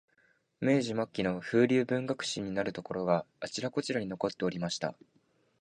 明治末期の風流文学史になるところが、あちらこちらに残っておりました